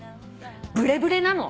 ブレブレなの。